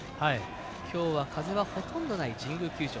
今日は風がほとんどない神宮球場。